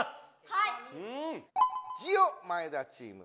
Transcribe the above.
はい！